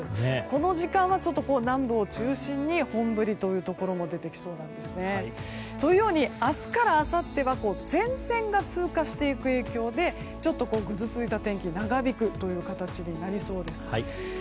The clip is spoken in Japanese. この時間は南部を中心に本降りのところもありそうです。というように明日からあさっては前線が通過していく影響でちょっとぐずついた天気が長引く形になりそうです。